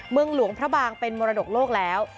เมืองหลวงพระบางเป็นมรดกโลกแล้ว